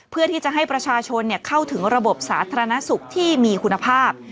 เพื่อที่จะให้ประชาชนเข้าถึงระบบสาธารณสุขที่มีคุณภาพ